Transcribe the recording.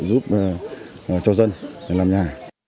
giúp cho dân làm nhà